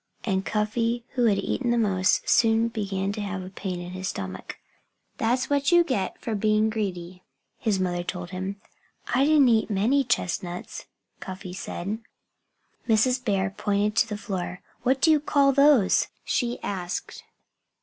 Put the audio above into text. And Cuffy, who had eaten the most, soon began to have a pain in his stomach. "That's what you get for being greedy," his mother told him. "I didn't eat many chestnuts," Cuffy said. Mrs. Bear pointed to the floor. "What do you call those?" she asked.